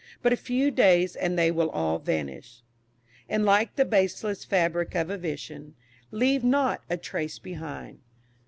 But a few days and they will all vanish "And like the baseless fabric of a vision, Leave not a trace behind."